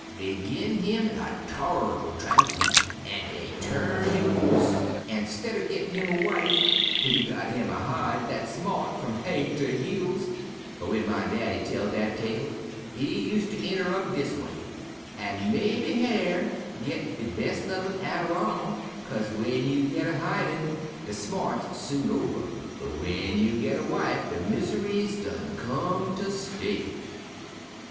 "Dey gin him a turr'ble trouncin' an' den turnt him aloose, an' stidder gittin' him a wife he got him a hide dat smart f'um haid ter heels; but w'en my daddy tell dat tale he useter een' her up dis a way, 'An' mebby Hyar' git de bes' uv 'em, atter all, 'kase w'en you git a hidin', de smart's soon over, but w'en you git a wife, de mis'ry done come ter stay.'"